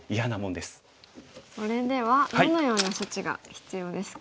それではどのような処置が必要ですか？